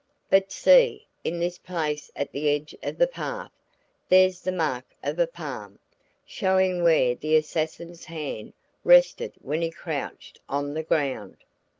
But see, in this place at the edge of the path, there's the mark of a palm, showing where the assassin's hand rested when he crouched on the ground.